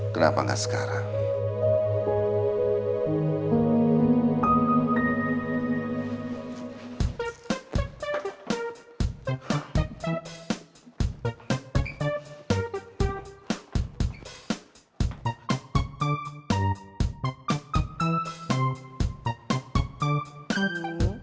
kenapa gak sekarang